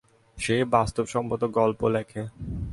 সে বাস্তবসম্মত গল্প লেখে।